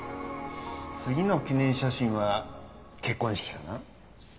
次の記念写真は結婚式かな？